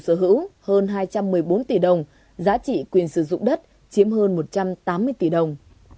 sở hữu hơn hai trăm một mươi bốn tỷ đồng giá trị quyền sử dụng đất chiếm hơn một trăm tám mươi tỷ đồng